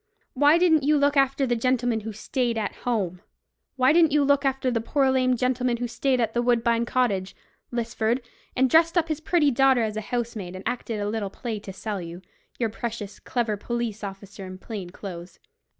Why didn't you look after the gentleman who stayed at home? Why didn't you look after the poor lame gentleman who stayed at Woodbine Cottage, Lisford, and dressed up his pretty daughter as a housemaid, and acted a little play to sell you, you precious clever police officer in plain clothes.